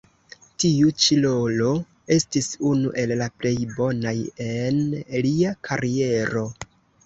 Tiu ĉi rolo estis unu el la plej bonaj en lia kariero.